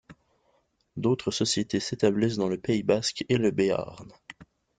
D'autres sociétés s'établissent dans le Pays Basque et le Béarn.